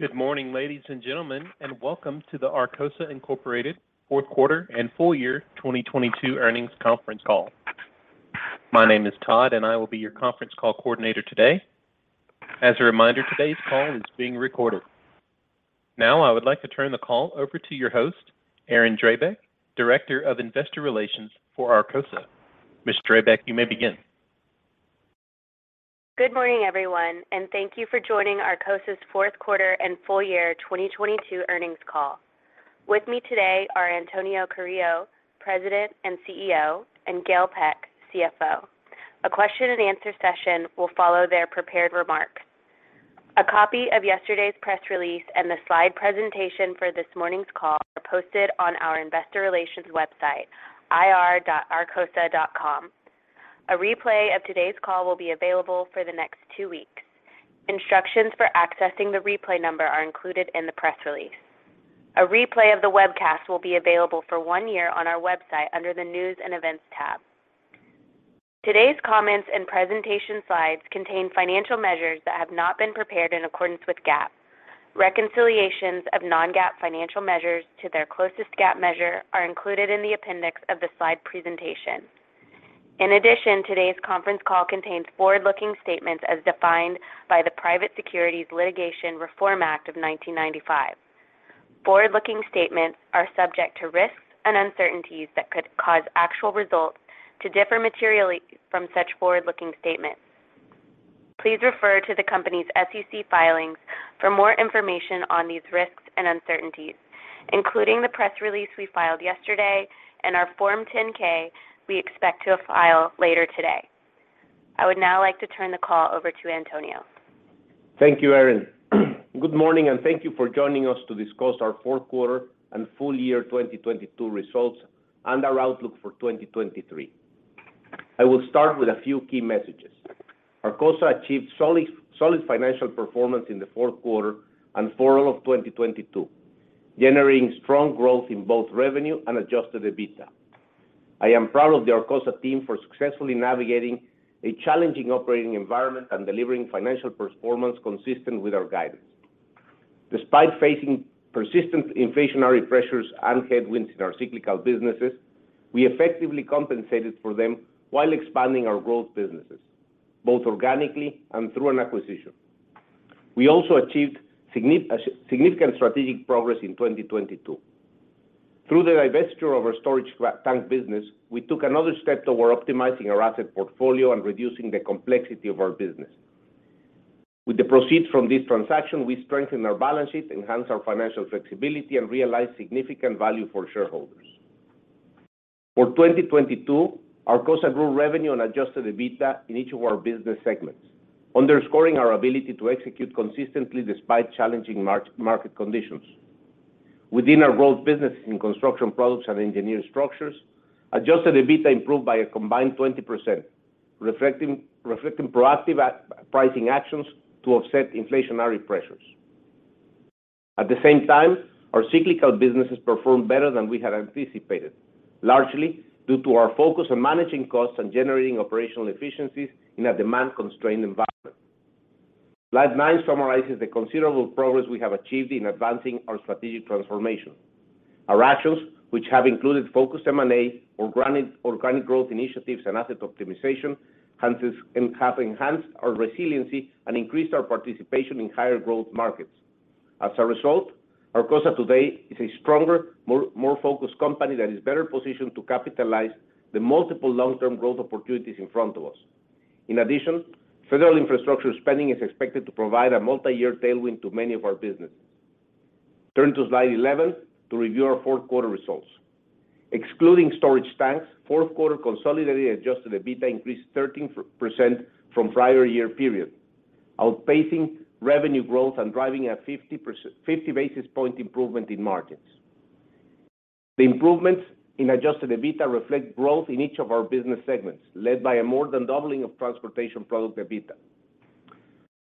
Good morning, ladies and gentlemen, welcome to the Arcosa, Inc. fourth quarter and full year 2022 earnings conference call. My name is Todd, I will be your conference call coordinator today. As a reminder, today's call is being recorded. I would like to turn the call over to your host, Erin Drabek, Director of Investor Relations for Arcosa. Ms. Drabek, you may begin. Good morning, everyone, thank you for joining Arcosa's fourth quarter and full year 2022 earnings call. With me today are Antonio Carrillo, President and CEO, and Gail Peck, CFO. A question and answer session will follow their prepared remarks. A copy of yesterday's press release and the slide presentation for this morning's call are posted on our investor relations website, ir.arcosa.com. A replay of today's call will be available for the next two weeks. Instructions for accessing the replay number are included in the press release. A replay of the webcast will be available for one year on our website under the News and Events tab. Today's comments and presentation slides contain financial measures that have not been prepared in accordance with GAAP. Reconciliations of non-GAAP financial measures to their closest GAAP measure are included in the appendix of the slide presentation. Today's conference call contains forward-looking statements as defined by the Private Securities Litigation Reform Act of 1995. Forward-looking statements are subject to risks and uncertainties that could cause actual results to differ materially from such forward-looking statements. Please refer to the company's SEC filings for more information on these risks and uncertainties, including the press release we filed yesterday and our Form 10-K we expect to file later today. I would now like to turn the call over to Antonio. Thank you, Erin. Good morning, and thank you for joining us to discuss our fourth quarter and full year 2022 results and our outlook for 2023. I will start with a few key messages. Arcosa achieved solid financial performance in the fourth quarter and full of 2022, generating strong growth in both revenue and adjusted EBITDA. I am proud of the Arcosa team for successfully navigating a challenging operating environment and delivering financial performance consistent with our guidance. Despite facing persistent inflationary pressures and headwinds in our cyclical businesses, we effectively compensated for them while expanding our growth businesses, both organically and through an acquisition. We also achieved significant strategic progress in 2022. Through the divestiture of our storage tank business, we took another step toward optimizing our asset portfolio and reducing the complexity of our business. With the proceeds from this transaction, we strengthened our balance sheet, enhanced our financial flexibility, and realized significant value for shareholders. For 2022, Arcosa grew revenue on adjusted EBITDA in each of our business segments, underscoring our ability to execute consistently despite challenging market conditions. Within our growth businesses in construction products and engineered structures, adjusted EBITDA improved by a combined 20%, reflecting proactive pricing actions to offset inflationary pressures. At the same time, our cyclical businesses performed better than we had anticipated, largely due to our focus on managing costs and generating operational efficiencies in a demand-constrained environment. Slide nine summarizes the considerable progress we have achieved in advancing our strategic transformation. Our actions, which have included focused M&A, organic growth initiatives, and asset optimization, have enhanced our resiliency and increased our participation in higher growth markets. As a result, Arcosa today is a stronger, more focused company that is better positioned to capitalize the multiple long-term growth opportunities in front of us. Federal infrastructure spending is expected to provide a multi-year tailwind to many of our businesses. Turn to slide 11 to review our fourth quarter results. Excluding storage tanks, fourth quarter consolidated adjusted EBITDA increased 13% from prior year period, outpacing revenue growth and driving a 50 basis point improvement in margins. The improvements in adjusted EBITDA reflect growth in each of our business segments, led by a more than doubling of transportation product EBITDA.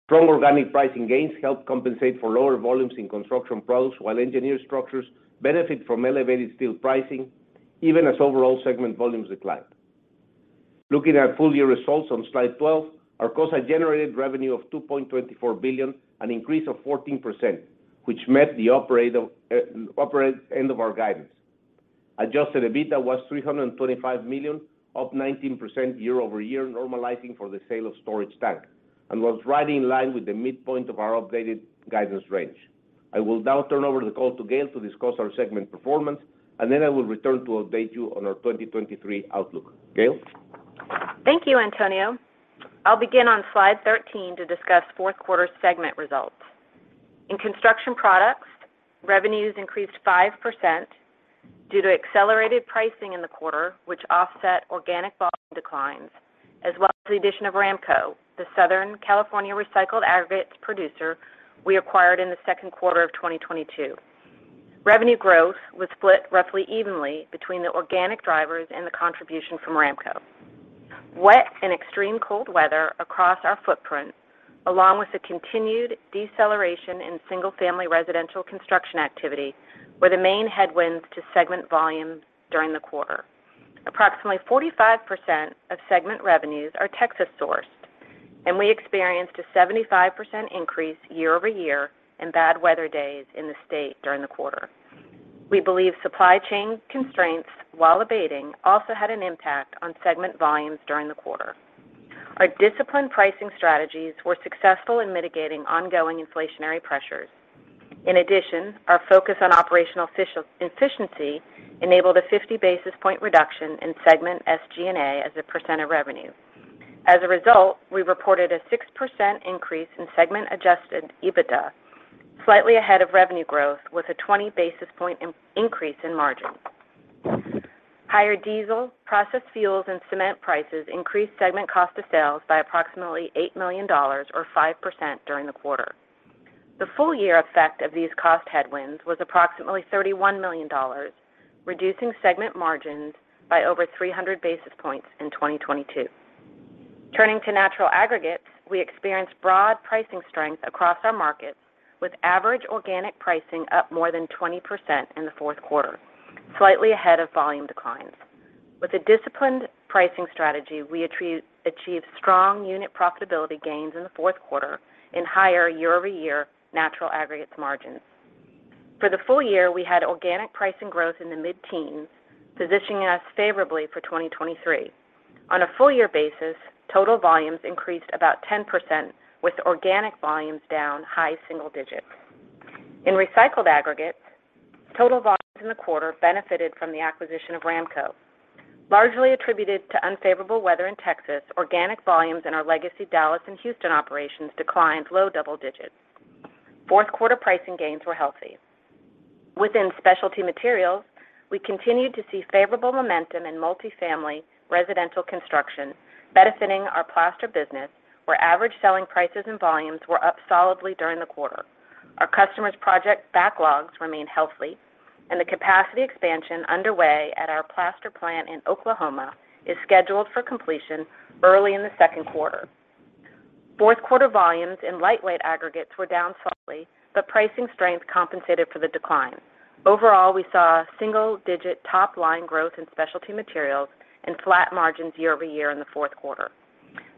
Strong organic pricing gains helped compensate for lower volumes in construction products, while engineered structures benefit from elevated steel pricing even as overall segment volumes declined. Looking at full year results on slide 12, Arcosa generated revenue of $2.24 billion, an increase of 14%, which met the operator, upper end of our guidance. Adjusted EBITDA was $325 million, up 19% year-over-year, normalizing for the sale of storage tank, and was right in line with the midpoint of our updated guidance range. I will now turn over the call to Gail to discuss our segment performance, and then I will return to update you on our 2023 outlook. Gail? Thank you, Antonio. I'll begin on slide 13 to discuss fourth quarter segment results. In construction products, revenues increased 5% due to accelerated pricing in the quarter, which offset organic volume declines, as well as the addition of RAMCO, the Southern California recycled aggregates producer we acquired in the second quarter of 2022. Revenue growth was split roughly evenly between the organic drivers and the contribution from RAMCO. Wet and extreme cold weather across our footprint, along with the continued deceleration in single-family residential construction activity, were the main headwinds to segment volumes during the quarter. Approximately 45% of segment revenues are Texas-sourced, and we experienced a 75% increase year-over-year in bad weather days in the state during the quarter. We believe supply chain constraints, while abating, also had an impact on segment volumes during the quarter. Our disciplined pricing strategies were successful in mitigating ongoing inflationary pressures. In addition, our focus on operational efficiency enabled a 50 basis point reduction in segment SG&A as a % of revenue. As a result, we reported a 6% increase in segment adjusted EBITDA, slightly ahead of revenue growth with a 20 basis point increase in margin. Higher diesel, processed fuels, and cement prices increased segment cost of sales by approximately $8 million or 5% during the quarter. The full year effect of these cost headwinds was approximately $31 million, reducing segment margins by over 300 basis points in 2022. Turning to natural aggregates, we experienced broad pricing strength across our markets, with average organic pricing up more than 20% in the fourth quarter, slightly ahead of volume declines. With a disciplined pricing strategy, we achieved strong unit profitability gains in the fourth quarter and higher year-over-year natural aggregates margins. For the full year, we had organic pricing growth in the mid-teens, positioning us favorably for 2023. On a full year basis, total volumes increased about 10%, with organic volumes down high single digits. In recycled aggregates, total volumes in the quarter benefited from the acquisition of RAMCO. Largely attributed to unfavorable weather in Texas, organic volumes in our legacy Dallas and Houston operations declined low double digits. Fourth quarter pricing gains were healthy. Within specialty materials, we continued to see favorable momentum in multi-family residential construction benefiting our plaster business, where average selling prices and volumes were up solidly during the quarter. Our customers' project backlogs remain healthy. The capacity expansion underway at our plaster plant in Oklahoma is scheduled for completion early in the second quarter. Fourth quarter volumes in lightweight aggregates were down slightly. Pricing strength compensated for the decline. Overall, we saw single-digit top line growth in specialty materials and flat margins year-over-year in the fourth quarter.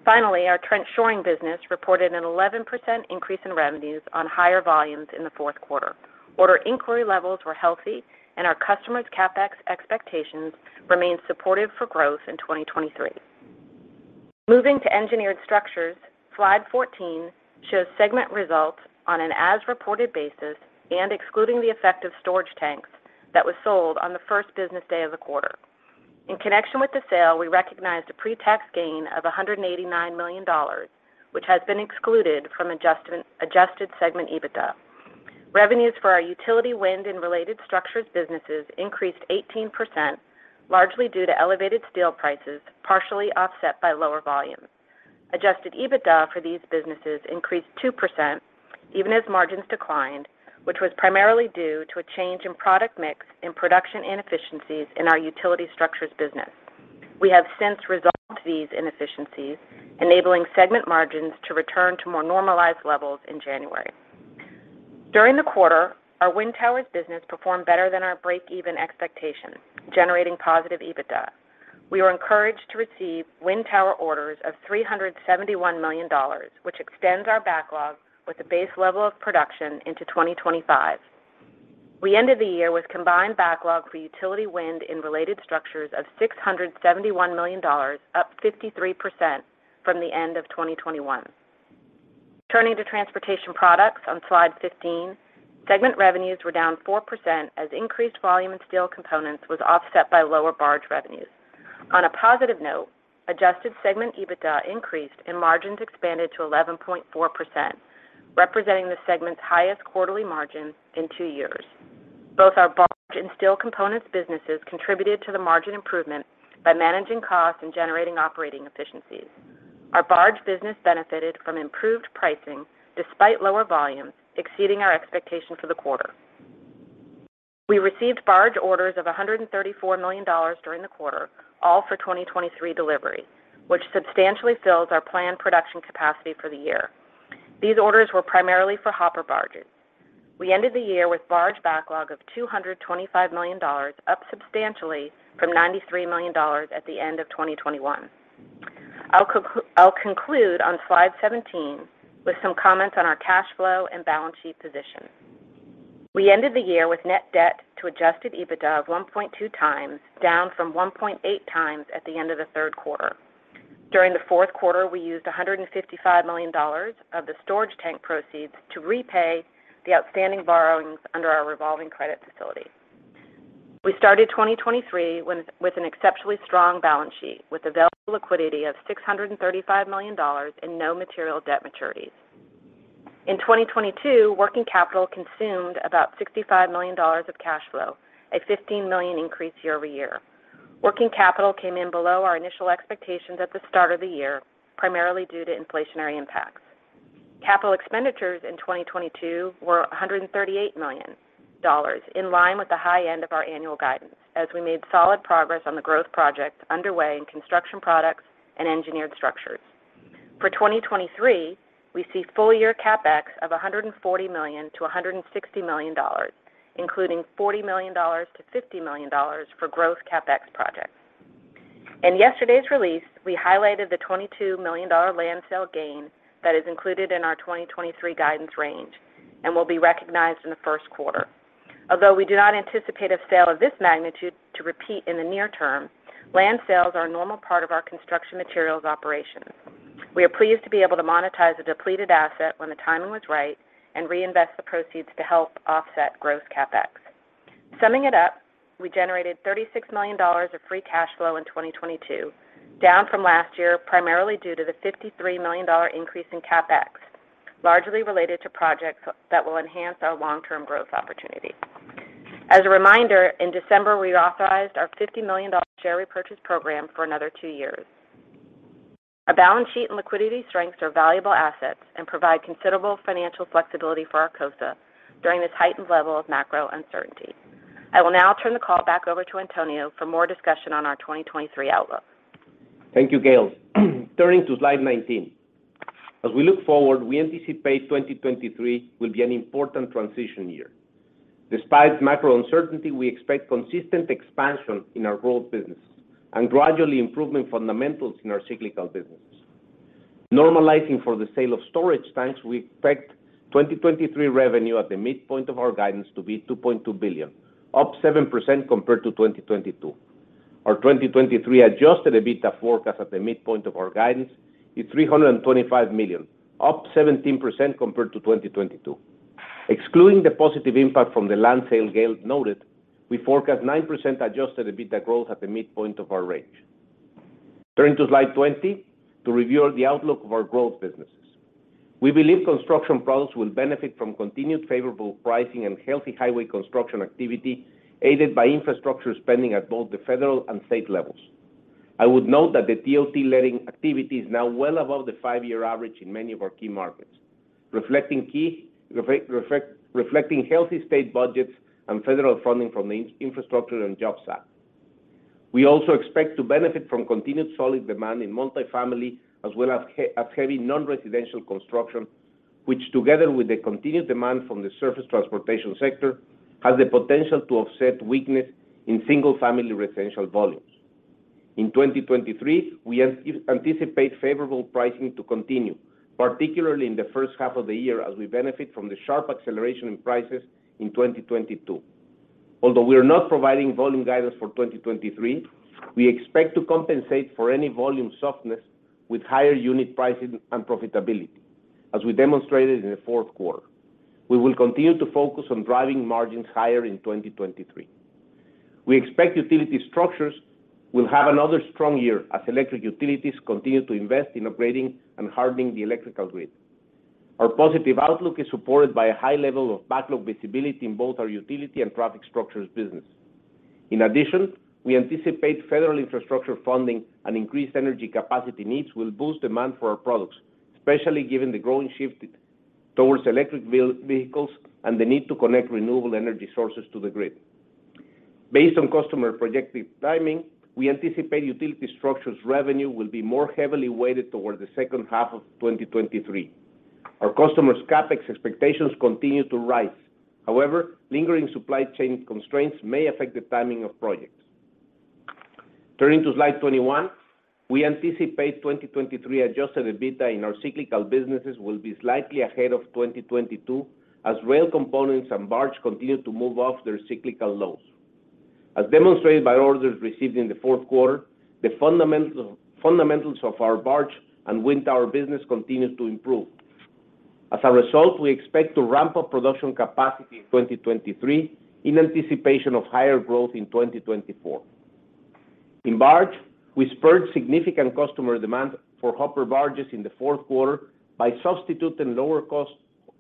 Finally, our trench shoring business reported an 11% increase in revenues on higher volumes in the fourth quarter. Order inquiry levels were healthy. Our customers' CapEx expectations remained supportive for growth in 2023. Moving to engineered structures, slide 14 shows segment results on an as-reported basis and excluding the effect of storage tanks that was sold on the first business day of the quarter. In connection with the sale, we recognized a pre-tax gain of $189 million, which has been excluded from adjusted segment EBITDA. Revenues for our utility wind and related structures businesses increased 18%, largely due to elevated steel prices, partially offset by lower volumes. adjusted EBITDA for these businesses increased 2% even as margins declined, which was primarily due to a change in product mix and production inefficiencies in our utility structures business. We have since resolved these inefficiencies, enabling segment margins to return to more normalized levels in January. During the quarter, our wind towers business performed better than our break-even expectations, generating positive EBITDA. We were encouraged to receive wind tower orders of $371 million, which extends our backlog with a base level of production into 2025. We ended the year with combined backlog for utility wind and related structures of $671 million, up 53% from the end of 2021. Turning to transportation products on slide 15, segment revenues were down 4% as increased volume in steel components was offset by lower barge revenues. On a positive note, adjusted segment EBITDA increased and margins expanded to 11.4%, representing the segment's highest quarterly margin in two years. Both our barge and steel components businesses contributed to the margin improvement by managing costs and generating operating efficiencies. Our barge business benefited from improved pricing despite lower volumes, exceeding our expectations for the quarter. We received barge orders of $134 million during the quarter, all for 2023 delivery, which substantially fills our planned production capacity for the year. These orders were primarily for hopper barges. We ended the year with barge backlog of $225 million, up substantially from $93 million at the end of 2021. I'll conclude on slide 17 with some comments on our cash flow and balance sheet position. We ended the year with net debt to adjusted EBITDA of 1.2 times, down from 1.8 times at the end of the third quarter. During the fourth quarter, we used $155 million of the storage tank proceeds to repay the outstanding borrowings under our revolving credit facility. We started 2023 with an exceptionally strong balance sheet with available liquidity of $635 million and no material debt maturities. In 2022, working capital consumed about $65 million of cash flow, a $15 million increase year-over-year. Working capital came in below our initial expectations at the start of the year, primarily due to inflationary impacts. Capital expenditures in 2022 were $138 million, in line with the high end of our annual guidance as we made solid progress on the growth projects underway in construction products and engineered structures. For 2023, we see full year CapEx of $140 million-$160 million, including $40 million-$50 million for growth CapEx projects. In yesterday's release, we highlighted the $22 million land sale gain that is included in our 2023 guidance range and will be recognized in the first quarter. Although we do not anticipate a sale of this magnitude to repeat in the near term, land sales are a normal part of our construction materials operations. We are pleased to be able to monetize a depleted asset when the timing was right and reinvest the proceeds to help offset growth CapEx. Summing it up, we generated $36 million of free cash flow in 2022, down from last year, primarily due to the $53 million increase in CapEx, largely related to projects that will enhance our long-term growth opportunity. As a reminder, in December, we authorized our $50 million share repurchase program for another two years. Our balance sheet and liquidity strengths are valuable assets and provide considerable financial flexibility for Arcosa during this heightened level of macro uncertainty. I will now turn the call back over to Antonio for more discussion on our 2023 outlook. Thank you, Gail. Turning to slide 19. As we look forward, we anticipate 2023 will be an important transition year. Despite macro uncertainty, we expect consistent expansion in our growth business and gradually improvement fundamentals in our cyclical businesses. Normalizing for the sale of storage tanks, we expect 2023 revenue at the midpoint of our guidance to be $2.2 billion, up 7% compared to 2022. Our 2023 adjusted EBITDA forecast at the midpoint of our guidance is $325 million, up 17% compared to 2022. Excluding the positive impact from the land sale Gail noted, we forecast 9% adjusted EBITDA growth at the midpoint of our range. Turning to slide 20 to review the outlook of our growth businesses. We believe construction products will benefit from continued favorable pricing and healthy highway construction activity, aided by infrastructure spending at both the federal and state levels. I would note that the DOT letting activity is now well above the 5-year average in many of our key markets, reflecting healthy state budgets and federal funding from the Infrastructure Investment and Jobs Act. We also expect to benefit from continued solid demand in multi-family as well as heavy non-residential construction, which together with the continued demand from the surface transportation sector, has the potential to offset weakness in single-family residential volumes. In 2023, we anticipate favorable pricing to continue, particularly in the first half of the year as we benefit from the sharp acceleration in prices in 2022. Although we are not providing volume guidance for 2023, we expect to compensate for any volume softness with higher unit pricing and profitability, as we demonstrated in the fourth quarter. We will continue to focus on driving margins higher in 2023. We expect utility structures will have another strong year as electric utilities continue to invest in upgrading and hardening the electrical grid. Our positive outlook is supported by a high level of backlog visibility in both our utility and traffic structures business. We anticipate federal infrastructure funding and increased energy capacity needs will boost demand for our products, especially given the growing shift towards electric vehicles and the need to connect renewable energy sources to the grid. Based on customer projected timing, we anticipate utility structures revenue will be more heavily weighted towards the second half of 2023. Our customers' CapEx expectations continue to rise. Lingering supply chain constraints may affect the timing of projects. Turning to slide 21. We anticipate 2023 adjusted EBITDA in our cyclical businesses will be slightly ahead of 2022 as rail components and barge continue to move off their cyclical lows. As demonstrated by orders received in the fourth quarter, the fundamentals of our barge and wind tower business continues to improve. We expect to ramp up production capacity in 2023 in anticipation of higher growth in 2024. We spurred significant customer demand for hopper barges in the fourth quarter by substituting lower cost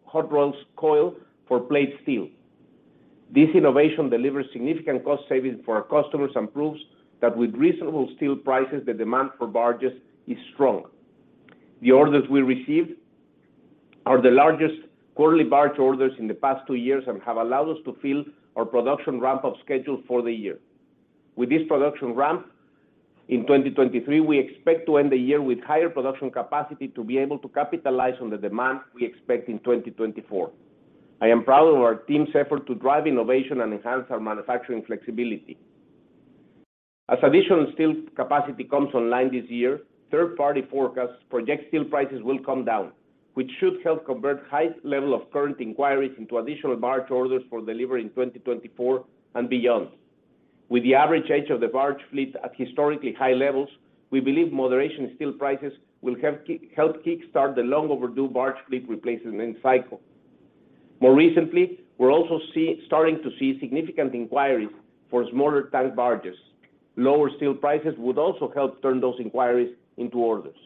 hot-rolled coil for plate steel. This innovation delivers significant cost savings for our customers and proves that with reasonable steel prices, the demand for barges is strong. The orders we received are the largest quarterly barge orders in the past 2 years and have allowed us to fill our production ramp-up schedule for the year. With this production ramp, in 2023, we expect to end the year with higher production capacity to be able to capitalize on the demand we expect in 2024. I am proud of our team's effort to drive innovation and enhance our manufacturing flexibility. As additional steel capacity comes online this year, third-party forecasts project steel prices will come down, which should help convert high level of current inquiries into additional barge orders for delivery in 2024 and beyond. With the average age of the barge fleet at historically high levels, we believe moderation in steel prices will help kickstart the long overdue barge fleet replacement cycle. More recently, we're also starting to see significant inquiries for smaller tank barges. Lower steel prices would also help turn those inquiries into orders.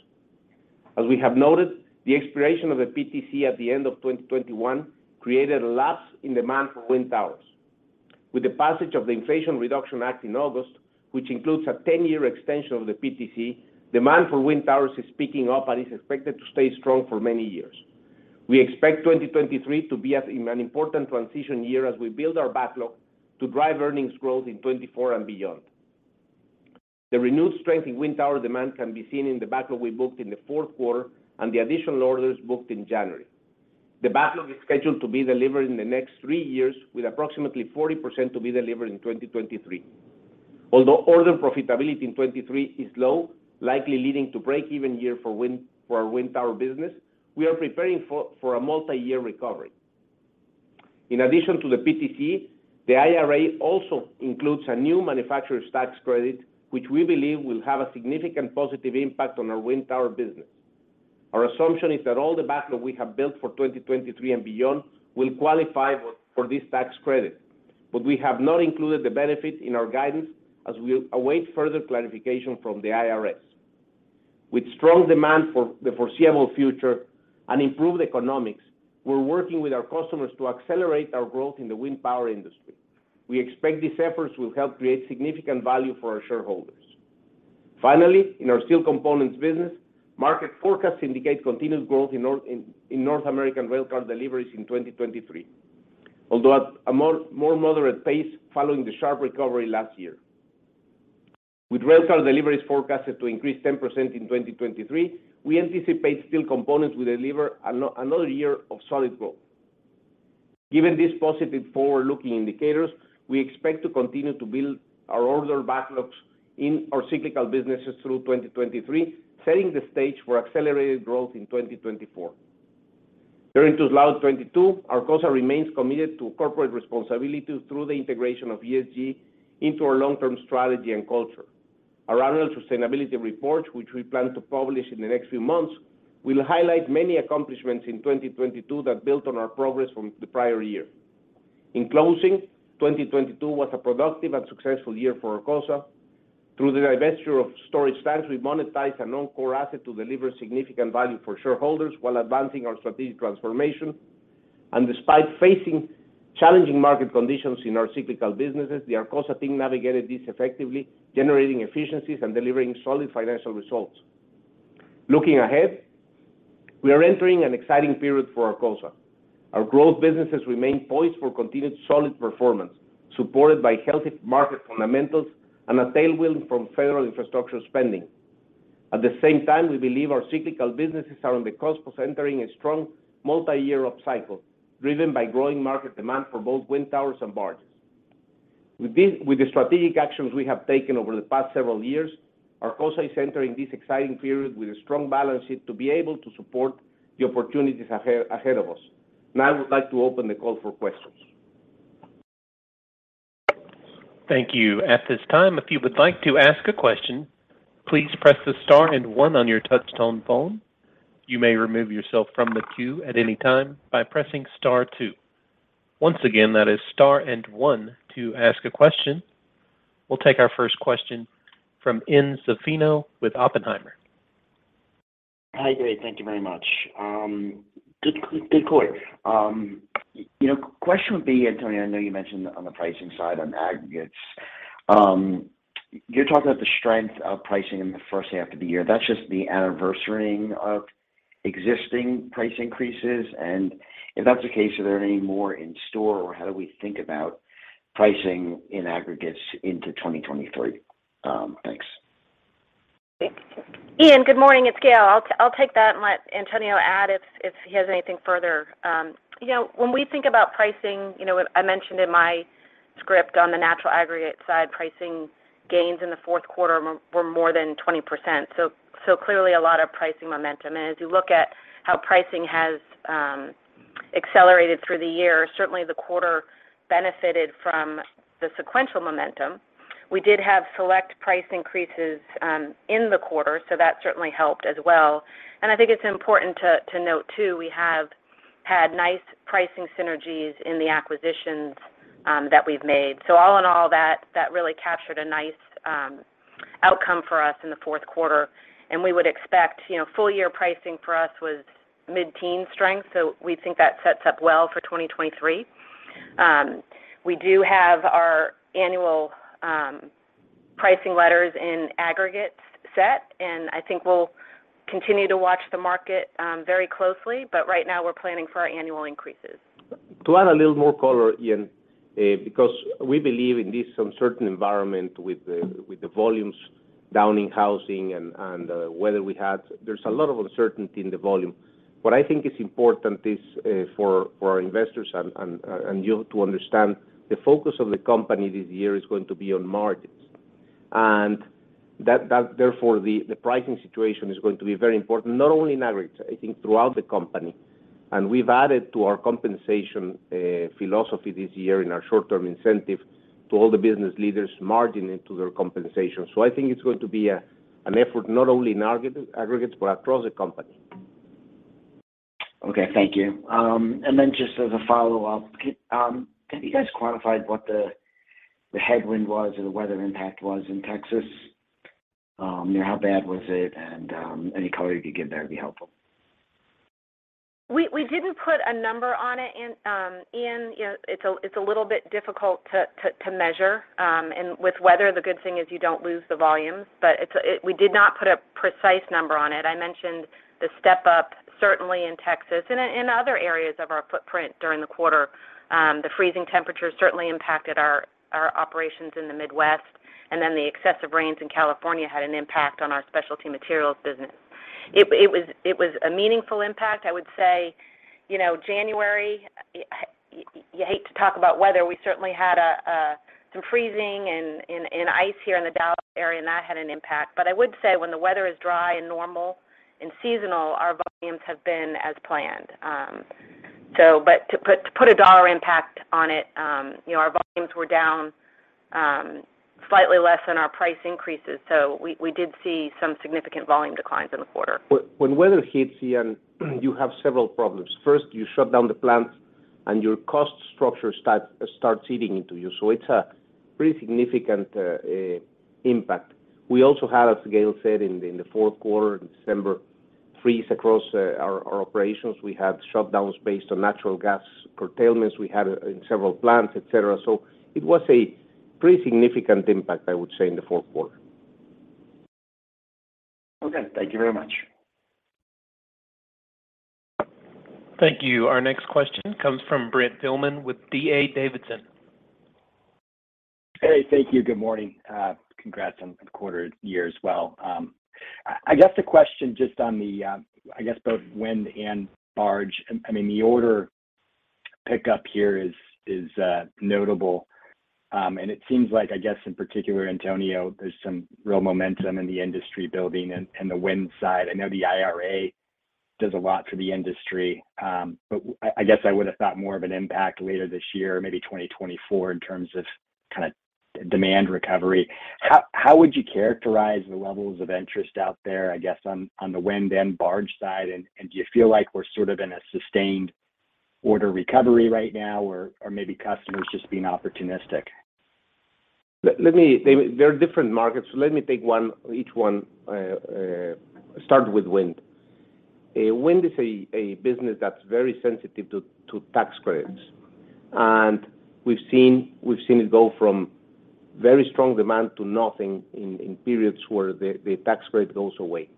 As we have noted, the expiration of the PTC at the end of 2021 created a lapse in demand for wind towers. With the passage of the Inflation Reduction Act in August, which includes a 10-year extension of the PTC, demand for wind towers is picking up and is expected to stay strong for many years. We expect 2023 to be an important transition year as we build our backlog to drive earnings growth in 2024 and beyond. The renewed strength in wind tower demand can be seen in the backlog we booked in the fourth quarter and the additional orders booked in January. The backlog is scheduled to be delivered in the next three years, with approximately 40% to be delivered in 2023. Although order profitability in 2023 is low, likely leading to break-even year for our wind tower business, we are preparing for a multi-year recovery. In addition to the PTC, the IRA also includes a new manufacturer's tax credit, which we believe will have a significant positive impact on our wind tower business. Our assumption is that all the backlog we have built for 2023 and beyond will qualify for this tax credit. We have not included the benefit in our guidance as we await further clarification from the IRS. With strong demand for the foreseeable future and improved economics, we're working with our customers to accelerate our growth in the wind power industry. We expect these efforts will help create significant value for our shareholders. In our steel components business, market forecasts indicate continued growth in North American railcar deliveries in 2023. Although at a more moderate pace following the sharp recovery last year. With railcar deliveries forecasted to increase 10% in 2023, we anticipate steel components will deliver another year of solid growth. Given these positive forward-looking indicators, we expect to continue to build our order backlogs in our cyclical businesses through 2023, setting the stage for accelerated growth in 2024. Throughout 2022, Arcosa remains committed to corporate responsibility through the integration of ESG into our long-term strategy and culture. Our annual sustainability report, which we plan to publish in the next few months, will highlight many accomplishments in 2022 that built on our progress from the prior year. In closing, 2022 was a productive and successful year for Arcosa. Through the divesture of storage tanks, we monetized a non-core asset to deliver significant value for shareholders while advancing our strategic transformation. Despite facing challenging market conditions in our cyclical businesses, the Arcosa team navigated this effectively, generating efficiencies and delivering solid financial results. Looking ahead, we are entering an exciting period for Arcosa. Our growth businesses remain poised for continued solid performance, supported by healthy market fundamentals and a tailwind from federal infrastructure spending. At the same time, we believe our cyclical businesses are on the cusp of entering a strong multi-year upcycle, driven by growing market demand for both wind towers and barges. With the strategic actions we have taken over the past several years, Arcosa is entering this exciting period with a strong balance sheet to be able to support the opportunities ahead of us. Now I would like to open the call for questions. Thank you. At this time, if you would like to ask a question, please press the star and one on your touch-tone phone. You may remove yourself from the queue at any time by pressing star two. Once again, that is star and one to ask a question. We'll take our first question from Ian Zaffino with Oppenheimer. Hi, great. Thank you very much. Good quarter. You know, question would be, Antonio, I know you mentioned on the pricing side on aggregates, you're talking about the strength of pricing in the first half of the year. That's just the anniversarying of existing price increases. If that's the case, are there any more in store, or how do we think about pricing in aggregates into 2023? Thanks. Ian, good morning. It's Gail. I'll take that and let Antonio add if he has anything further. You know, when we think about pricing, you know, I mentioned in my script on the natural aggregate side, pricing gains in the fourth quarter were more than 20%. Clearly a lot of pricing momentum. As you look at how pricing has accelerated through the year, certainly the quarter benefited from the sequential momentum. We did have select price increases in the quarter, so that certainly helped as well. I think it's important to note too, we have had nice pricing synergies in the acquisitions that we've made. All in all, that really captured a nice outcome for us in the fourth quarter. We would expect, you know, full year pricing for us was mid-teen strength. We think that sets up well for 2023. We do have our annual pricing letters in aggregate set, and I think we'll continue to watch the market very closely. Right now we're planning for our annual increases. To add a little more color, Ian, because we believe in this uncertain environment with the volumes down in housing and, weather we had, there's a lot of uncertainty in the volume. What I think is important is, for our investors and you to understand the focus of the company this year is going to be on margins. That therefore, the pricing situation is going to be very important, not only in aggregates, I think throughout the company. We've added to our compensation, philosophy this year in our short-term incentive to all the business leaders margin into their compensation. I think it's going to be an effort not only in aggregates, but across the company. Okay. Thank you. Just as a follow-up, can you guys quantify what the headwind was or the weather impact was in Texas? You know, how bad was it? Any color you could give there would be helpful. We didn't put a number on it, Ian. Ian, you know, it's a little bit difficult to measure. With weather, the good thing is you don't lose the volumes, but it's, we did not put a precise number on it. I mentioned the step up certainly in Texas and in other areas of our footprint during the quarter. The freezing temperatures certainly impacted our operations in the Midwest, and then the excessive rains in California had an impact on our specialty materials business. It was a meaningful impact. I would say, you know, January, you hate to talk about weather. We certainly had a some freezing and ice here in the Dallas area, and that had an impact. I would say when the weather is dry and normal and seasonal, our volumes have been as planned. To put a dollar impact on it, you know, our volumes were down, slightly less than our price increases. We did see some significant volume declines in the quarter. When weather hits you have several problems. First, you shut down the plants and your cost structure starts eating into you. It's a pretty significant impact. We also had, as Gail said, in the fourth quarter, in December, freeze across our operations. We had shutdowns based on natural gas curtailments we had in several plants, et cetera. It was a pretty significant impact, I would say, in the fourth quarter. Okay. Thank you very much. Thank you. Our next question comes from Brent Thielman with D.A. Davidson. Hey, thank you. Good morning. Congrats on a good quarter year as well. I guess the question just on the, I guess both wind and barge. I mean, the order pickup here is notable. It seems like, I guess, in particular, Antonio, there's some real momentum in the industry building and the wind side. I know the IRA does a lot for the industry, but I guess I would have thought more of an impact later this year, maybe 2024 in terms of kinda demand recovery. How would you characterize the levels of interest out there, I guess, on the wind and barge side? Do you feel like we're sort of in a sustained order recovery right now or maybe customers just being opportunistic? Let me. They're different markets. Let me take one each one. Start with wind. Wind is a business that's very sensitive to tax credits. We've seen it go from very strong demand to nothing in periods where the tax credit goes away.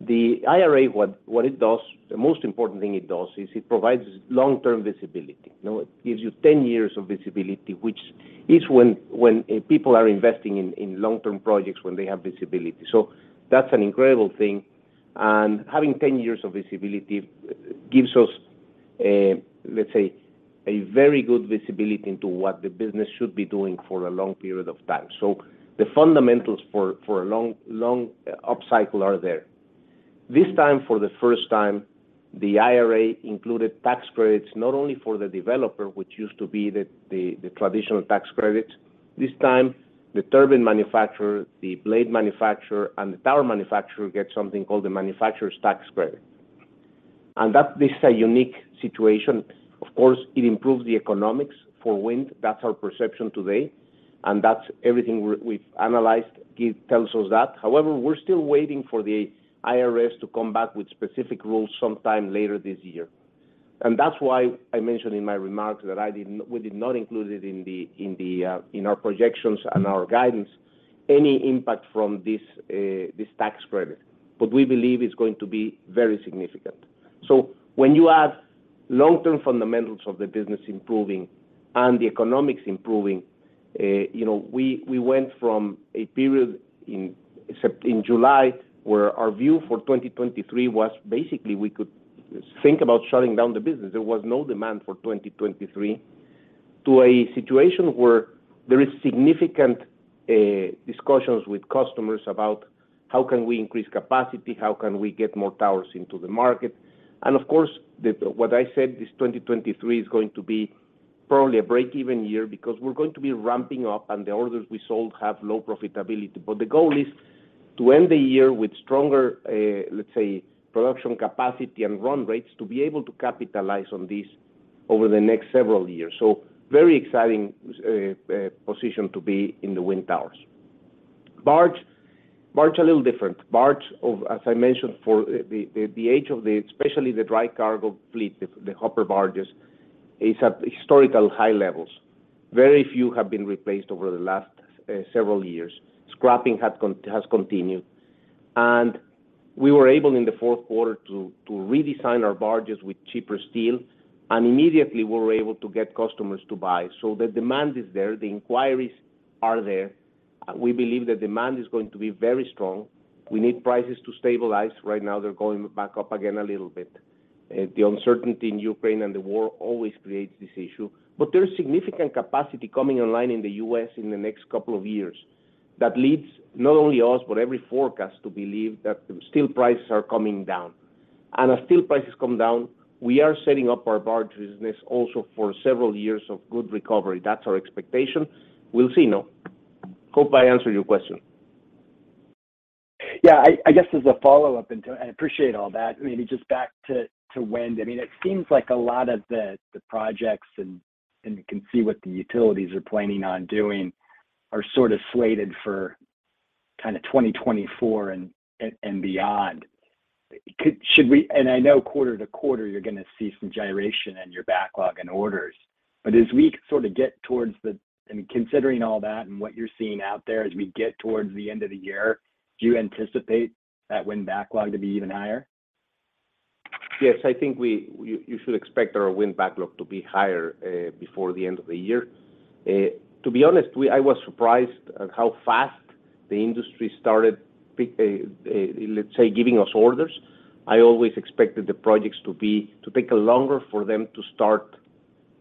The IRA, what it does, the most important thing it does is it provides long-term visibility. You know, it gives you 10 years of visibility, which is when people are investing in long-term projects when they have visibility. That's an incredible thing. Having 10 years of visibility gives us, let's say, a very good visibility into what the business should be doing for a long period of time. The fundamentals for a long upcycle are there. This time, for the first time, the IRA included tax credits not only for the developer, which used to be the traditional tax credit. This time, the turbine manufacturer, the blade manufacturer, and the tower manufacturer get something called the manufacturer's tax credit. That is a unique situation. Of course, it improves the economics for wind. That's our perception today, and that's everything we've analyzed tells us that. However, we're still waiting for the IRS to come back with specific rules sometime later this year. That's why I mentioned in my remarks that we did not include it in the, in our projections and our guidance, any impact from this tax credit. We believe it's going to be very significant. When you have long-term fundamentals of the business improving and the economics improving, you know, we went from a period in July, where our view for 2023 was basically we could think about shutting down the business. There was no demand for 2023, to a situation where there is significant discussions with customers about how can we increase capacity, how can we get more towers into the market. Of course, what I said is 2023 is going to be probably a break-even year because we're going to be ramping up, and the orders we sold have low profitability. The goal is to end the year with stronger, let's say, production capacity and run rates to be able to capitalize on this over the next several years. Very exciting position to be in the wind towers. Barge a little different. Barge, as I mentioned, for the age of the, especially the dry cargo fleet, the hopper barges, is at historical high levels. Very few have been replaced over the last several years. Scrapping has continued. We were able in the fourth quarter to redesign our barges with cheaper steel, and immediately we were able to get customers to buy. The demand is there, the inquiries are there. We believe the demand is going to be very strong. We need prices to stabilize. Right now, they're going back up again a little bit. The uncertainty in Ukraine and the war always creates this issue. There is significant capacity coming online in the U.S. in the next two years. That leads not only us, but every forecast to believe that steel prices are coming down. As steel prices come down, we are setting up our barge business also for several years of good recovery. That's our expectation. We'll see, no? Hope I answered your question. Yeah. I guess as a follow-up, I appreciate all that. Maybe just back to wind. I mean, it seems like a lot of the projects, and you can see what the utilities are planning on doing, are sort of slated for kind of 2024 and beyond. Should we, I know quarter to quarter, you're gonna see some gyration in your backlog and orders. As we sort of get towards considering all that and what you're seeing out there as we get towards the end of the year, do you anticipate that wind backlog to be even higher? Yes, I think we, you should expect our wind backlog to be higher before the end of the year. To be honest, I was surprised at how fast the industry started, let's say, giving us orders. I always expected the projects to be, to take longer for them to start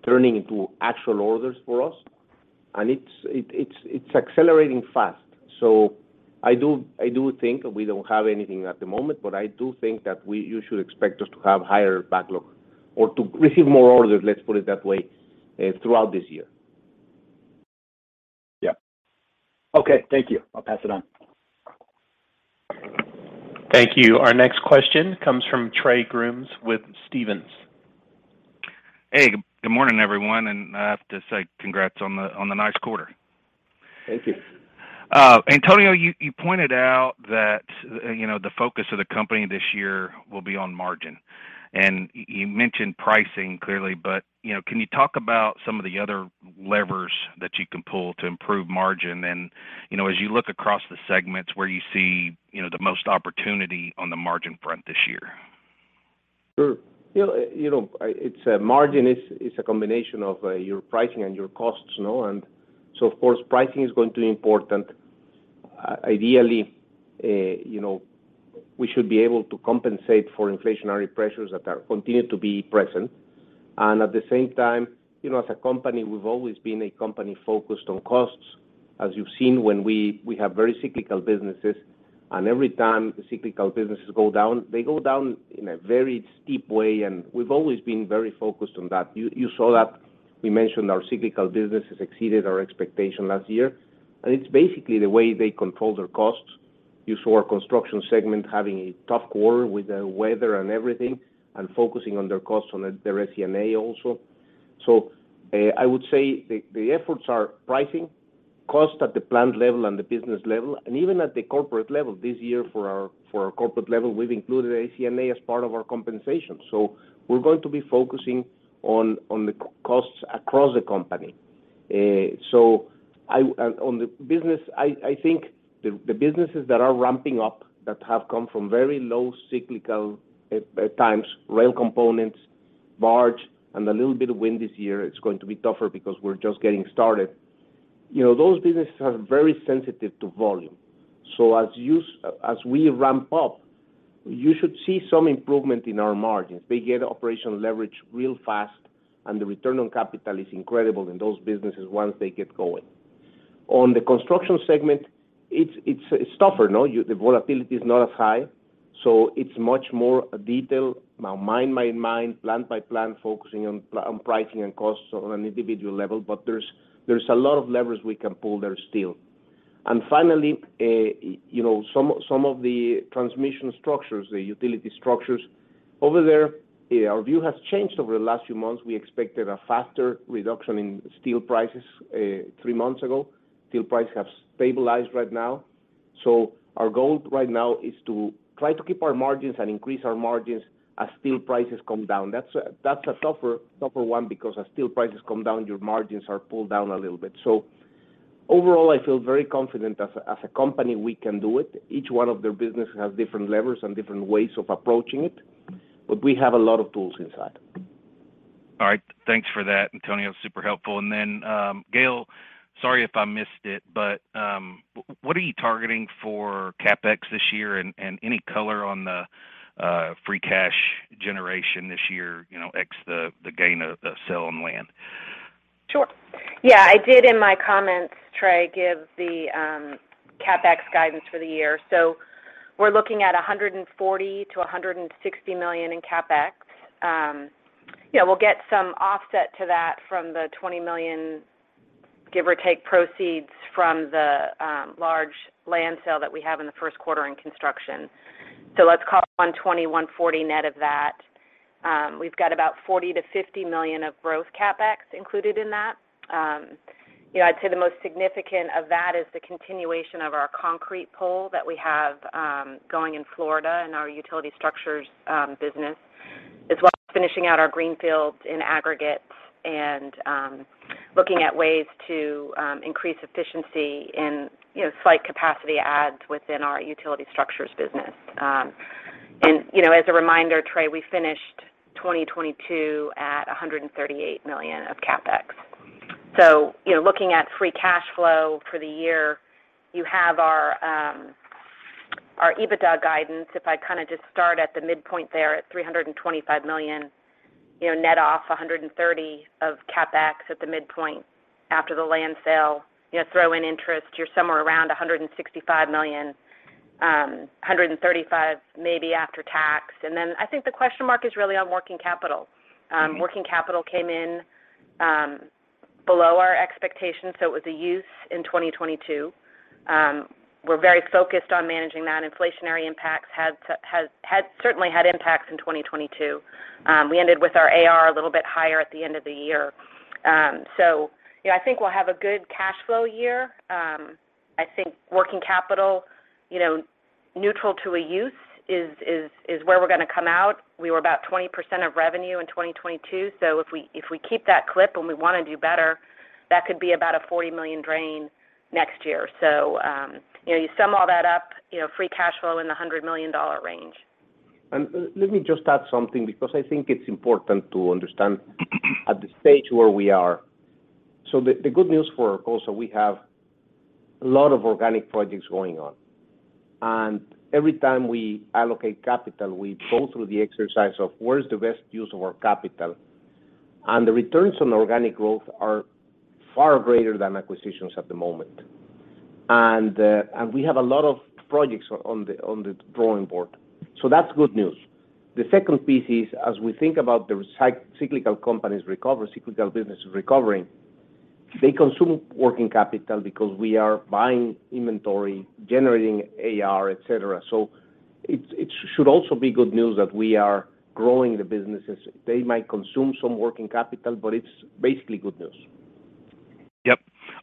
turning into actual orders for us. It's accelerating fast. I do, I do think we don't have anything at the moment, but I do think that you should expect us to have higher backlog or to receive more orders, let's put it that way, throughout this year. Yeah. Okay, thank you. I'll pass it on. Thank you. Our next question comes from Trey Grooms with Stephens. Hey, good morning, everyone. I have to say congrats on the nice quarter. Thank you. Antonio, you pointed out that, you know, the focus of the company this year will be on margin. You mentioned pricing clearly, but, you know, can you talk about some of the other levers that you can pull to improve margin? You know, as you look across the segments where you see, you know, the most opportunity on the margin front this year. Sure. You know, it's, margin is a combination of your pricing and your costs, no? Of course, pricing is going to be important. Ideally, you know, we should be able to compensate for inflationary pressures that are continued to be present. At the same time, you know, as a company, we've always been a company focused on costs, as you've seen when we have very cyclical businesses, and every time the cyclical businesses go down, they go down in a very steep way, and we've always been very focused on that. You saw that we mentioned our cyclical businesses exceeded our expectation last year. It's basically the way they control their costs. You saw our construction segment having a tough quarter with the weather and everything and focusing on their costs on their ACMA also. I would say the efforts are pricing, cost at the plant level and the business level, and even at the corporate level this year for our corporate level, we've included ACMA as part of our compensation. We're going to be focusing on the costs across the company. And on the business, I think the businesses that are ramping up that have come from very low cyclical times, rail components, barge, and a little bit of wind this year, it's going to be tougher because we're just getting started. You know, those businesses are very sensitive to volume. As we ramp up, you should see some improvement in our margins. They get operational leverage real fast, and the return on capital is incredible in those businesses once they get going. On the construction segment, it's tougher, no? The volatility is not as high, it's much more detail. Now mine by mine, plant by plant, focusing on pricing and costs on an individual level, but there's a lot of levers we can pull there still. Finally, you know, some of the transmission structures, the utility structures over there, our view has changed over the last few months. We expected a faster reduction in steel prices, 3 months ago. Steel prices have stabilized right now. Our goal right now is to try to keep our margins and increase our margins as steel prices come down. That's a tougher one because as steel prices come down, your margins are pulled down a little bit. Overall, I feel very confident as a company, we can do it. Each one of their business has different levers and different ways of approaching it, but we have a lot of tools inside. All right. Thanks for that, Antonio. Super helpful. Gail, sorry if I missed it, but what are you targeting for CapEx this year, and any color on the free cash generation this year, you know, ex the gain of the sell on land? Sure. Yeah, I did in my comments, Trey, give the CapEx guidance for the year. We're looking at $140 million-$160 million in CapEx. Yeah, we'll get some offset to that from the $20 million, give or take, proceeds from the large land sale that we have in the first quarter in construction. Let's call it $120 million-$140 million net of that. We've got about $40 million-$50 million of growth CapEx included in that. you know, I'd say the most significant of that is the continuation of our concrete pole that we have going in Florida in our utility structures business, as well as finishing out our greenfields in aggregates and looking at ways to increase efficiency in, you know, slight capacity adds within our utility structures business. You know, as a reminder, Trey, we finished 2022 at $138 million of CapEx. You know, looking at free cash flow for the year, you have our EBITDA guidance, if I kinda just start at the midpoint there at $325 million, you know, net off $130 of CapEx at the midpoint after the land sale, you know, throw in interest, you're somewhere around $165 million, $135 maybe after tax. I think the question mark is really on working capital. Working capital came in below our expectations, so it was a use in 2022. We're very focused on managing that. Inflationary impacts certainly had impacts in 2022. We ended with our AR a little bit higher at the end of the year. You know, I think we'll have a good cash flow year. I think working capital, you know, neutral to a use is where we're gonna come out. We were about 20% of revenue in 2022, if we keep that clip, and we wanna do better, That could be about a $40 million drain next year. You know, you sum all that up, you know, free cash flow in the $100 million range. Let me just add something because I think it's important to understand at the stage where we are. The good news for Arcosa also, we have a lot of organic projects going on. Every time we allocate capital, we go through the exercise of where is the best use of our capital, and the returns on organic growth are far greater than acquisitions at the moment. We have a lot of projects on the drawing board. That's good news. The second piece is, as we think about the cyclical companies recovery, cyclical business recovering, they consume working capital because we are buying inventory, generating AR, et cetera. It should also be good news that we are growing the businesses. They might consume some working capital, but it's basically good news.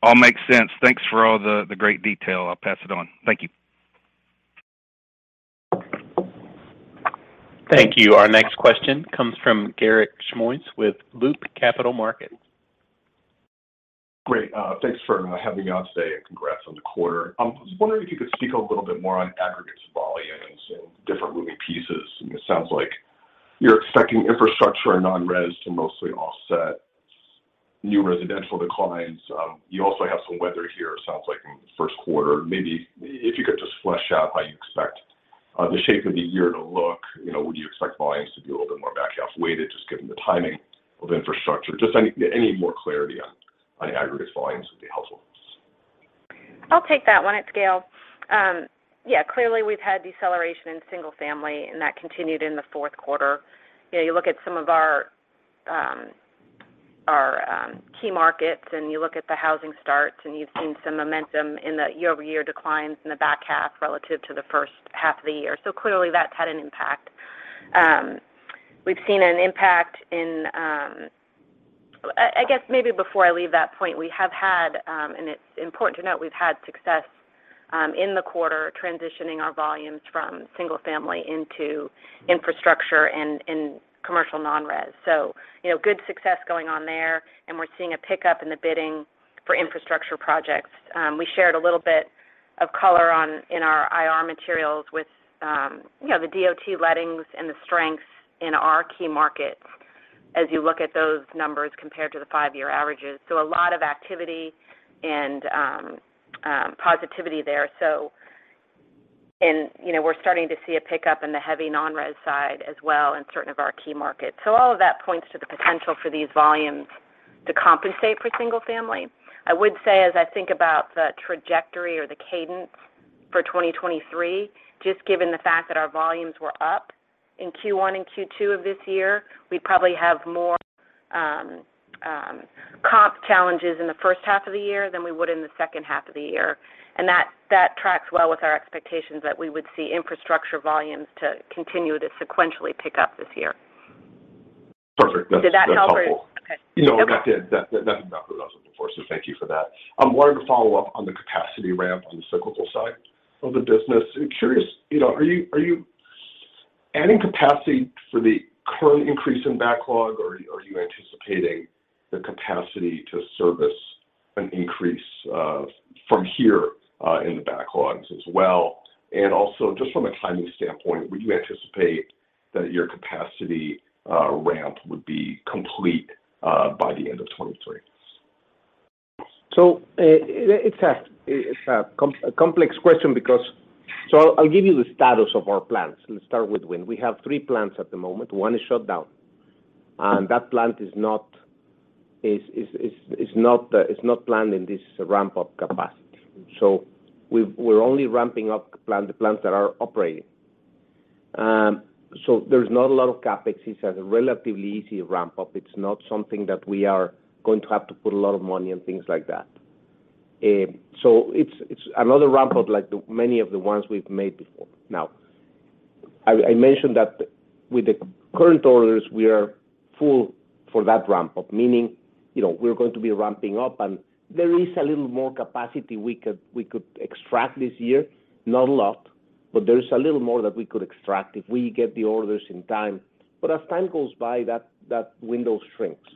Yep. All makes sense. Thanks for all the great detail. I'll pass it on. Thank you. Thank you. Our next question comes from Garik Shmois with Loop Capital Markets. Great. Thanks for having me on today, and congrats on the quarter. I was wondering if you could speak a little bit more on aggregates volumes and different moving pieces. It sounds like you're expecting infrastructure and non-res to mostly offset new residential declines. You also have some weather here, it sounds like in the first quarter. Maybe if you could just flesh out how you expect the shape of the year to look, you know, would you expect volumes to be a little bit more back half-weighted just given the timing of infrastructure? Just any more clarity on the aggregates volumes would be helpful. I'll take that one. It's Gail. Yeah, clearly we've had deceleration in single family, that continued in the fourth quarter. You know, you look at some of our key markets, you look at the housing starts, you've seen some momentum in the year-over-year declines in the back half relative to the first half of the year. Clearly that's had an impact. We've seen an impact in, I guess maybe before I leave that point, we have had, and it's important to note, we've had success in the quarter transitioning our volumes from single family into infrastructure and commercial non-res. You know, good success going on there, we're seeing a pickup in the bidding for infrastructure projects. We shared a little bit of color in our IR materials with, you know, the DOT lettings and the strengths in our key markets as you look at those numbers compared to the five-year averages. A lot of activity and positivity there. You know, we're starting to see a pickup in the heavy non-res side as well in certain of our key markets. All of that points to the potential for these volumes to compensate for single family. I would say, as I think about the trajectory or the cadence for 2023, just given the fact that our volumes were up in Q1 and Q2 of this year, we probably have more comp challenges in the first half of the year than we would in the second half of the year. That tracks well with our expectations that we would see infrastructure volumes to continue to sequentially pick up this year. Perfect. That's helpful. Did that help or? Okay. Yep. No, that did. That, that's about what I was looking for. Thank you for that. Wanted to follow up on the capacity ramp on the cyclical side of the business. Curious, you know, are you adding capacity for the current increase in backlog, or are you anticipating the capacity to service an increase from here in the backlogs as well? Also, just from a timing standpoint, would you anticipate that your capacity ramp would be complete by the end of 2023? It's a complex question because. I'll give you the status of our plants. Let's start with wind. We have three plants at the moment. One is shut down, and that plant is not planned in this ramp-up capacity. We're only ramping up the plants that are operating. There's not a lot of CapEx. It's a relatively easy ramp-up. It's not something that we are going to have to put a lot of money and things like that. It's another ramp-up like the many of the ones we've made before. Now, I mentioned that with the current orders, we are full for that ramp-up, meaning, you know, we're going to be ramping up, and there is a little more capacity we could extract this year. Not a lot, but there is a little more that we could extract if we get the orders in time. As time goes by, that window shrinks.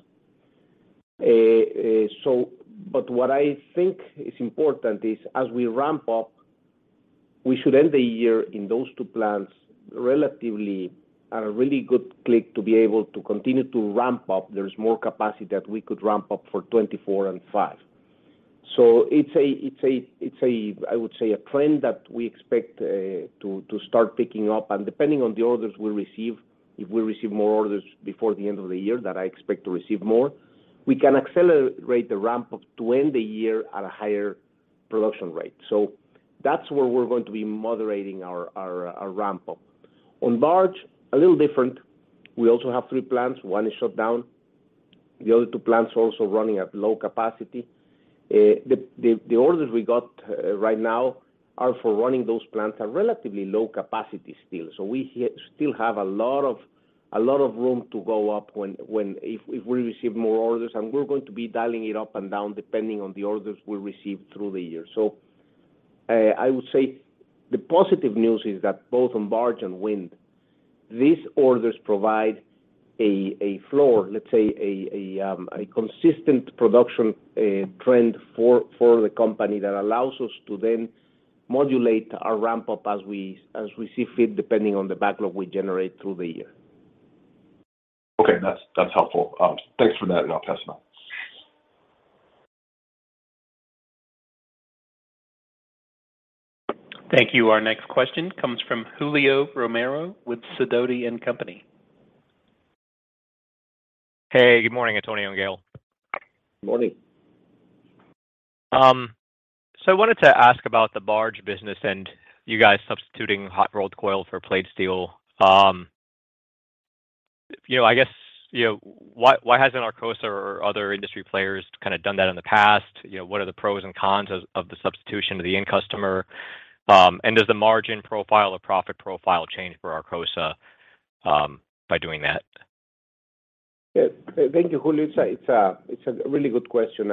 What I think is important is as we ramp up, we should end the year in those two plants relatively at a really good click to be able to continue to ramp up. There's more capacity that we could ramp up for 2024 and 2025. It's a, I would say, a trend that we expect to start picking up. Depending on the orders we receive, if we receive more orders before the end of the year, that I expect to receive more, we can accelerate the ramp-up to end the year at a higher production rate. That's where we're going to be moderating our ramp-up. On barge, a little different. We also have three plants. One is shut down. The other two plants are also running at low capacity. The orders we got right now are for running those plants at relatively low capacity still. We still have a lot of room to go up when if we receive more orders, and we're going to be dialing it up and down depending on the orders we receive through the year. I would say the positive news is that both on barge and wind, these orders provide a floor, let's say a consistent production trend for the company that allows us to then modulate our ramp up as we see fit, depending on the backlog we generate through the year. Okay. That's helpful. Thanks for that, and I'll pass now. Thank you. Our next question comes from Julio Romero with Sidoti & Company. Hey, good morning, Antonio and Gail. Morning. I wanted to ask about the barge business, and you guys substituting hot-rolled coil for plate steel. You know, I guess, you know, why hasn't Arcosa or other industry players kind of done that in the past? You know, what are the pros and cons of the substitution to the end customer? Does the margin profile or profit profile change for Arcosa by doing that? Yeah. Thank you, Julio. It's a really good question,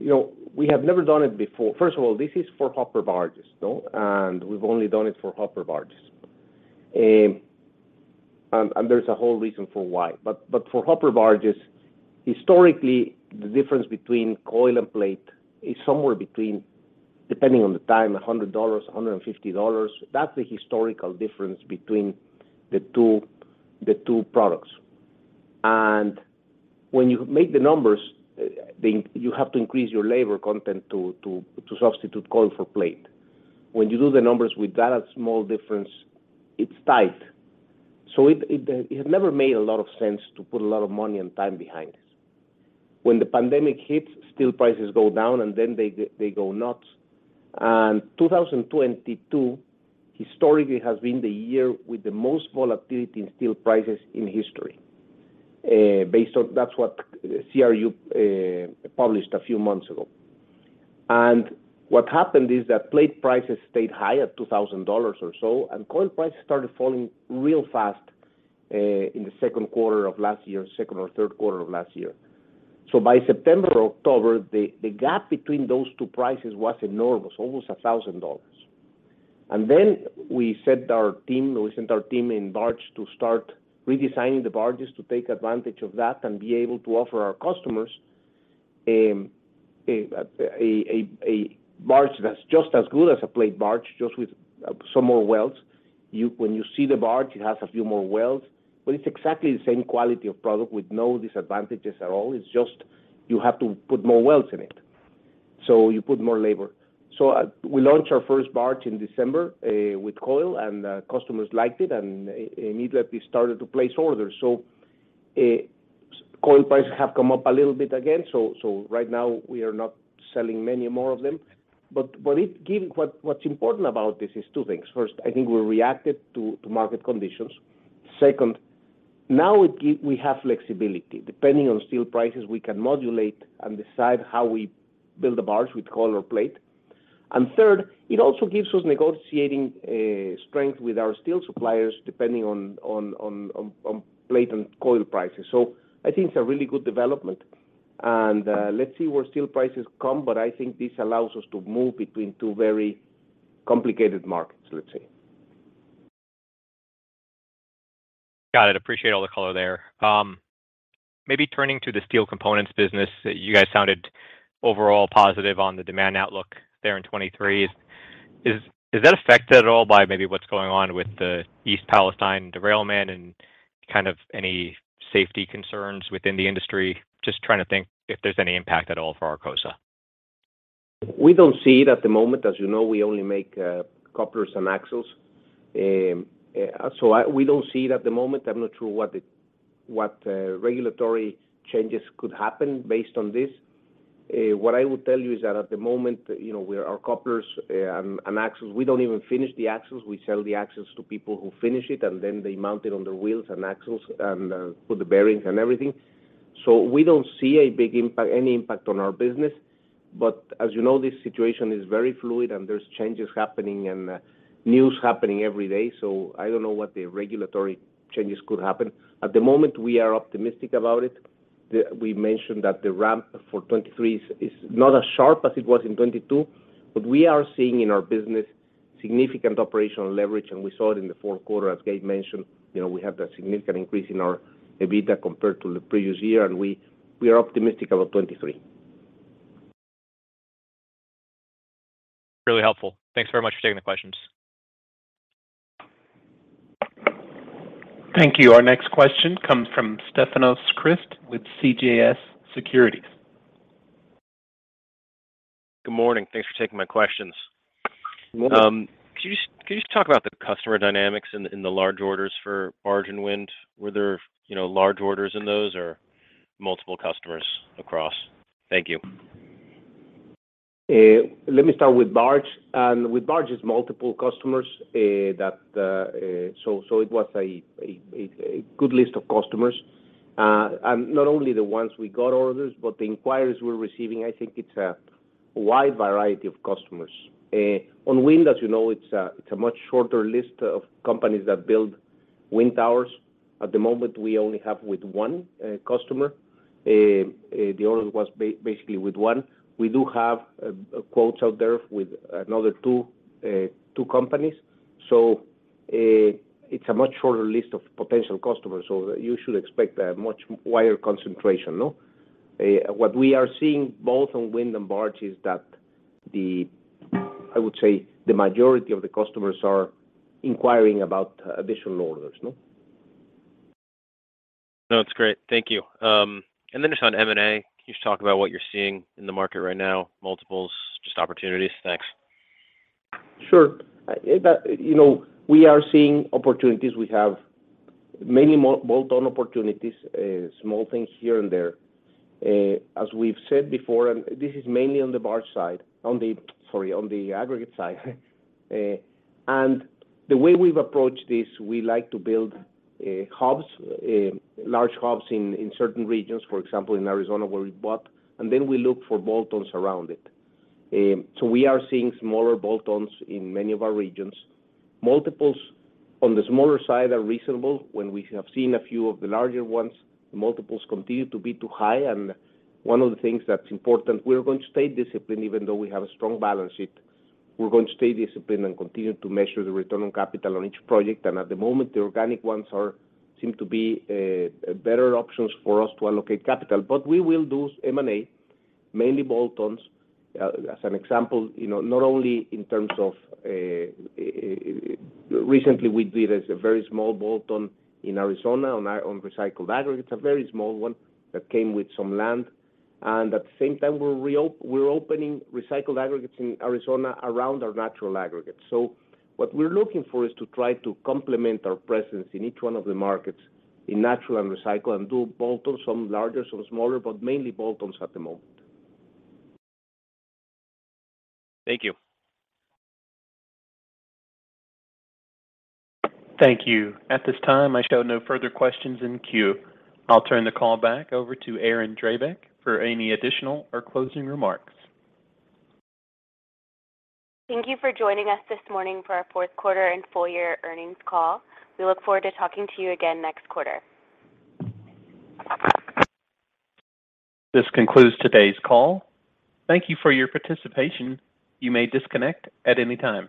you know, we have never done it before. First of all, this is for hopper barges, no? We've only done it for hopper barges. There's a whole reason for why. But for hopper barges, historically, the difference between coil and plate is somewhere between, depending on the time, $100, $150. That's the historical difference between the two products. When you make the numbers, you have to increase your labor content to substitute coil for plate. When you do the numbers with that small difference, it's tight. It never made a lot of sense to put a lot of money and time behind it. When the pandemic hits, steel prices go down, they go nuts. 2022 historically has been the year with the most volatility in steel prices in history, based on... that's what CRU published a few months ago. What happened is that plate prices stayed high at $2,000 or so, and coil prices started falling real fast in the second quarter of last year, second or third quarter of last year. By September, October, the gap between those two prices was enormous, almost $1,000. Then we sent our team, we sent our team in barge to start redesigning the barges to take advantage of that and be able to offer our customers, a barge that's just as good as a plate barge, just with some more welds. When you see the barge, it has a few more welds, but it's exactly the same quality of product with no disadvantages at all. It's just you have to put more welds in it, so you put more labor. We launched our first barge in December with coil, and customers liked it, and immediately started to place orders. Coil prices have come up a little bit again, so right now we are not selling many more of them. What's important about this is two things. First, I think we reacted to market conditions. Second, now we have flexibility. Depending on steel prices, we can modulate and decide how we build the barge with coil or plate. Third, it also gives us negotiating strength with our steel suppliers, depending on plate and coil prices. I think it's a really good development. Let's see where steel prices come, but I think this allows us to move between two very complicated markets, let's say. Got it. Appreciate all the color there. Maybe turning to the steel components business, you guys sounded overall positive on the demand outlook there in 2023. Is that affected at all by maybe what's going on with the East Palestine derailment and kind of any safety concerns within the industry? Just trying to think if there's any impact at all for Arcosa. We don't see it at the moment. As you know, we only make couplers and axles. We don't see it at the moment. I'm not sure what the regulatory changes could happen based on this. What I would tell you is that at the moment, our couplers and axles, we don't even finish the axles. We sell the axles to people who finish it, then they mount it on the wheels and axles and put the bearings and everything. We don't see a big impact, any impact on our business. As this situation is very fluid, and there's changes happening and news happening every day, so I don't know what the regulatory changes could happen. At the moment, we are optimistic about it. We mentioned that the ramp for 2023 is not as sharp as it was in 2022, but we are seeing in our business significant operational leverage, and we saw it in the fourth quarter. As Gail mentioned, you know, we have that significant increase in our EBITDA compared to the previous year, and we are optimistic about 2023. Really helpful. Thanks very much for taking the questions. Thank you. Our next question comes from Stefanos Crist with CJS Securities. Good morning. Thanks for taking my questions. You're welcome. Could you just talk about the customer dynamics in the large orders for barge and wind? Were there, you know, large orders in those or multiple customers across? Thank you. Let me start with barge. With barge, it's multiple customers that it was a good list of customers. Not only the ones we got orders, but the inquiries we're receiving, I think it's a wide variety of customers. On wind, as you know, it's a much shorter list of companies that build wind towers, at the moment, we only have with one customer. The order was basically with one. We do have quotes out there with another two companies. It's a much shorter list of potential customers, so you should expect a much wider concentration, no? What we are seeing both on wind and barge is that the, I would say, the majority of the customers are inquiring about additional orders, no? No, that's great. Thank you. Just on M&A, can you just talk about what you're seeing in the market right now, multiples, just opportunities? Thanks. Sure. you know, we are seeing opportunities. We have many bolt-on opportunities, small things here and there. As we've said before, this is mainly on the barge side, on the aggregate side. The way we've approached this, we like to build hubs, large hubs in certain regions, for example, in Arizona, where we bought, and then we look for bolt-ons around it. So we are seeing smaller bolt-ons in many of our regions. Multiples on the smaller side are reasonable. When we have seen a few of the larger ones, multiples continue to be too high. One of the things that's important, we're going to stay disciplined, even though we have a strong balance sheet. We're going to stay disciplined and continue to measure the return on capital on each project. At the moment, the organic ones seem to be better options for us to allocate capital. We will do M&A, mainly bolt-ons. As an example, you know, not only in terms of recently we did a very small bolt-on in Arizona on our own recycled aggregate, a very small one that came with some land. At the same time, we're opening recycled aggregates in Arizona around our natural aggregate. What we're looking for is to try to complement our presence in each one of the markets in natural and recycled, and do bolt-ons, some larger, some smaller, but mainly bolt-ons at the moment. Thank you. Thank you. At this time, I show no further questions in queue. I'll turn the call back over to Erin Drabek for any additional or closing remarks. Thank you for joining us this morning for our fourth quarter and full year earnings call. We look forward to talking to you again next quarter. This concludes today's call. Thank you for your participation. You may disconnect at any time.